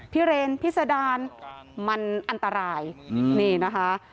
พี่เรนพี่สดานมันอันตรายอืมนี่นะคะ